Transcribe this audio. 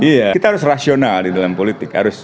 iya kita harus rasional di dalam politik